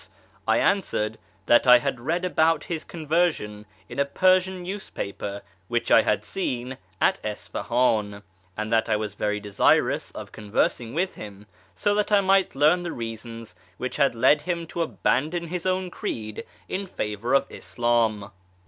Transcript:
I answered that I had read about his conversion in a Persian newspaper which I had seen at Isfahan, and that I was very desirous of conversing with him, so that I might learn the reasons which had led him to abandon his own creed in favour of Islam.